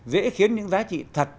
dễ khiến những giá trị thật